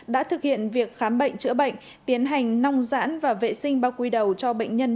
đã thực hiện việc khám bệnh chữa bệnh tiến hành nông giãn và vệ sinh bao quy đầu cho bệnh nhân